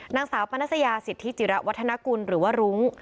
นางสาวปนัสยาสิทธิจิระวัฒนกุลหรือว่ารุ้ง